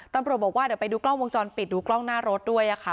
ตำรวจบอกว่าเดี๋ยวไปดูกล้องวงจรปิดดูกล้องหน้ารถด้วยค่ะ